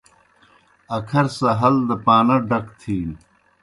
اکھر سہ ہل دہ پانہ ڈک تِھینوْ۔